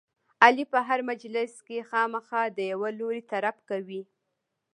علي په هره مجلس کې خامخا د یوه لوري طرف کوي.